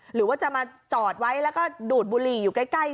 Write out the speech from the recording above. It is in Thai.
หรือว่าจะมาจอดไว้แล้วก็ดูดบุหรี่อยู่ใกล้